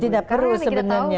tidak perlu sebenarnya